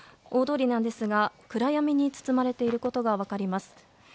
大通りなんですが暗闇に包まれていることが分かります。